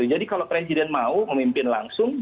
jadi kalau presiden mau memimpin langsung